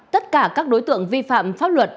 tất cả các đối tượng vi phạm pháp luật